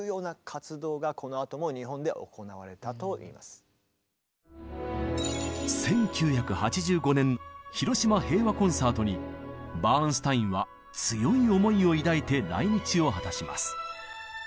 そんなご縁もあって１９８５年広島平和コンサートにバーンスタインは強い思いを抱いて来日を果たします。